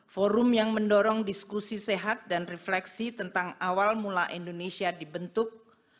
forum yang mendorong diskusi sehat dan refleksi tentang awal mula indonesia dibentuk